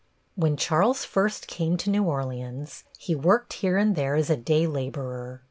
When Charles first came to New Orleans he worked here and there as a day laborer.